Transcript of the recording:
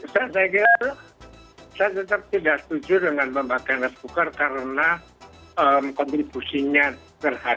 saya kira saya tetap tidak setuju dengan pemakaian rice cooker karena kontribusinya terhadap